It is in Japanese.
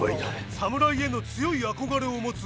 侍への強い憧れを持つイチ。